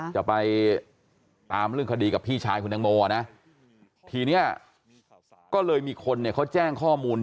จะไปตามเรื่องคดีกับพี่ชายคุณตังโมนะทีนี้ก็เลยมีคนเนี่ยเขาแจ้งข้อมูล